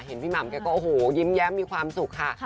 เห็นพี่หม่ำแกก็โอ้โหยิ้มแย้มมีความสุขค่ะ